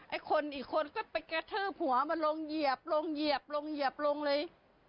ไอ้คนอีกคนก็ไปกระทืบหัวมันลงเหยียบลงเหยียบลงเหยียบลงเลย